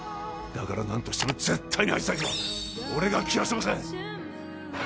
だから何としても絶対にあいつだけは俺が切らせません